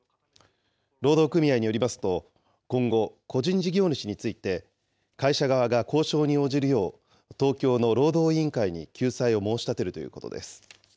労働組合によりますと、今後、個人事業主について、会社側が交渉に応じるよう、東京の労働委員会に救済を申し立てるということです。